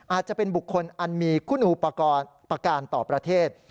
อาจจะเป็นบุคคลอันมีคุณอุปกรณ์ประการต่อประเทศ